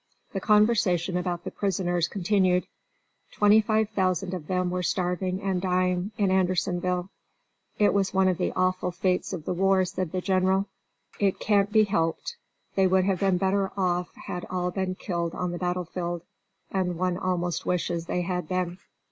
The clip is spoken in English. The conversation about the prisoners continued. Twenty five thousand of them were starving and dying in Andersonville. "It is one of the awful fates of war," said the General. "It can't be helped; they would have been better off had all been killed on the battlefield; and one almost wishes they had been."